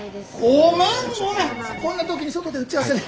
こんな時に外で打ち合わせで。